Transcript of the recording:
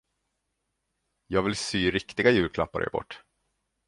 Jag vill sy riktiga julklappar och ge bort.